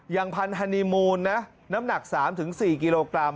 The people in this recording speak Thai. อย่างพันธุ์ฮันนีมูนนะน้ำหนัก๓๔กิโลกรัม